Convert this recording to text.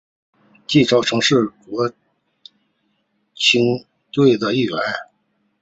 纪超曾经是国青队的一员。